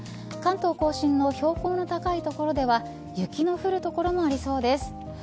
関東甲信も標高の高い所では雪の降る所もありそうです。